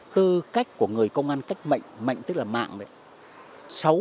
tư cách của người công an cách mạnh mạnh tức là mạng đấy